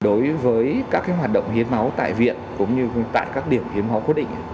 đối với các hoạt động hiến máu tại viện cũng như tại các điểm hiến máu quyết định